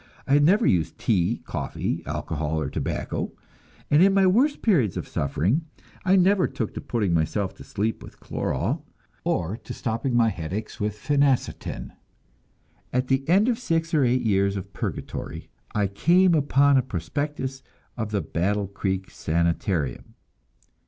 I had never used tea, coffee, alcohol or tobacco, and in my worst periods of suffering I never took to putting myself to sleep with chloral, or to stopping my headaches with phenacetin. At the end of six or eight years of purgatory, I came upon a prospectus of the Battle Creek Sanitarium.